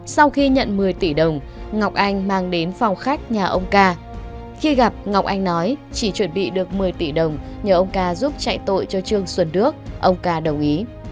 sau khi nhận một mươi tỷ đồng ngọc anh mang đến phòng khách nhà ông ca khi gặp ngọc anh nói chỉ chuẩn bị được một mươi tỷ đồng nhờ ông ca giúp chạy tội cho trương xuân đức ông ca đồng ý